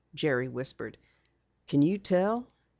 Jerry whispered. "Can you tell?"